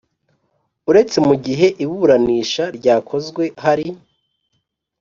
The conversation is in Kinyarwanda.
uretse mu gihe iburanisha ryakozwe hari